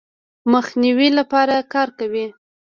مخنیوي لپاره کار کوي.